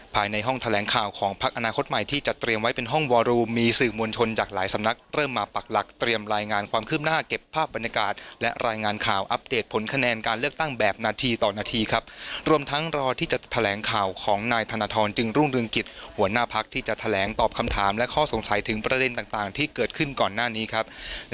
ภายในห้องแถลงข่าวของพักอนาคตใหม่ที่จะเตรียมไว้เป็นห้องวอรูมมีสื่อมวลชนจากหลายสำนักเริ่มมาปักหลักเตรียมรายงานความคืบหน้าเก็บภาพบรรยากาศและรายงานข่าวอัปเดตผลคะแนนการเลือกตั้งแบบนาทีต่อนาทีครับรวมทั้งรอที่จะแถลงข่าวของนายธนทรจึงรุ่งเรืองกิจหัวหน้าพักที่จะแถลงตอบคำถามและข้อสงสัยถึงประเด็นต่างที่เกิดขึ้นก่อนหน้านี้ครับ